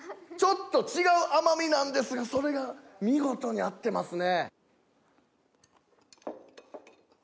ちょっと違う甘みなんですがそれが見事に合ってますね。